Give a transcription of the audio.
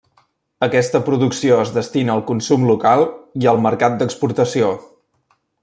Aquesta producció es destina al consum local i al mercat d'exportació.